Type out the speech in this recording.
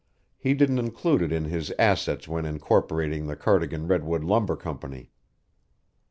He didn't include it in his assets when incorporating the Cardigan Redwood Lumber Company."